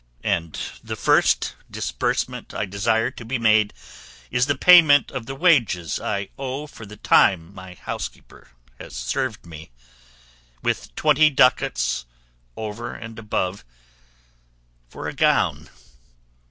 And the first disbursement I desire to be made is the payment of the wages I owe for the time my housekeeper has served me, with twenty ducats, over and above, for a gown.